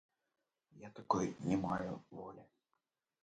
Я такой не маю волі.